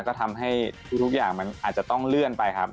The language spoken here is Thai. ก็ทำให้ทุกอย่างมันอาจจะต้องเลื่อนไปครับ